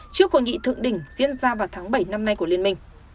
trước hội nghị thượng đỉnh diễn ra vào tháng bảy năm nay của liên minh